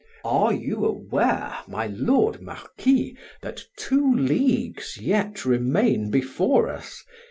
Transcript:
"Are you aware, my lord Marquis, that two leagues yet remain before us?"